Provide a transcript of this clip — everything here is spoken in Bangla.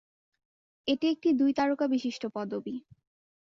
এটি একটি দুই-তারকা বিশিষ্ট পদবী।